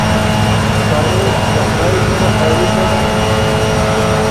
ښایست له خدای سره اړیکه ده